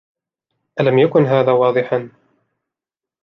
الم یکن هذا واضحا ؟